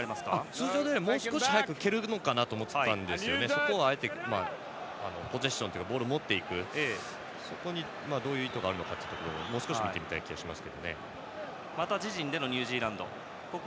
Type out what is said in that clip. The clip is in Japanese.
通常ならもう少し早く蹴ると思ったんですがそこを、あえてポゼッションというかボールを持っていくそこにどういう意図があるのかもう少し見ていきたいです。